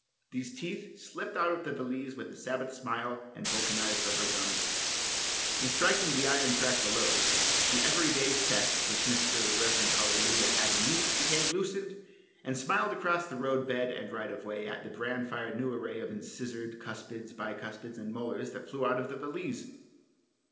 These teeth slipped out of the valise with a Sabbath smile and vulcanized rubber gums. [Illustration: A RAPID MOVEMENT.] In striking the iron track below, the every day set which the Rev. Mr. Hallelujah had in use became loosened, and smiled across the road bed and right of way at the bran fired new array of incisors, cuspids, bi cuspids and molars that flew out of the valise.